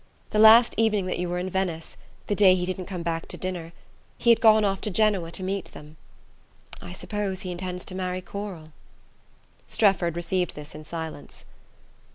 The last evening that you were in Venice the day he didn't come back to dinner he had gone off to Genoa to meet them. I suppose he intends to marry Coral." Strefford received this in silence.